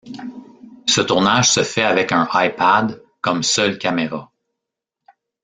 Ce tournage se fait avec un Ipad, comme seule caméra.